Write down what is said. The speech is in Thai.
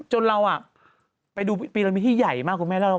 จนเราไปดูพิรามิทที่ใหญ่มาก